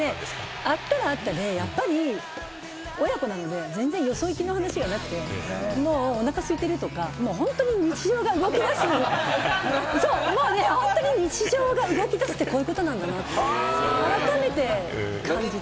会ったら会ったで、親子なんで、全然よそ行きの話がなくて、もうおなかすいてるとか、日常が動き出すような、本当に日常が動き出すって、こういうことなんだなって改めて感じて。